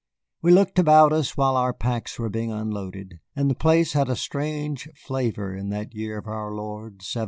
We looked about us while our packs were being unloaded, and the place had a strange flavor in that year of our Lord, 1789.